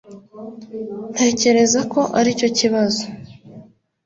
ntekereza ko aricyo kibazo